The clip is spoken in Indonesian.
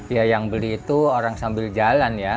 ya yang beli itu orang sambil jalan ya